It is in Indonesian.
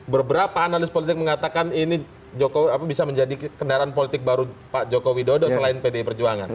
beberapa analis politik mengatakan ini bisa menjadi kendaraan politik baru pak joko widodo selain pdi perjuangan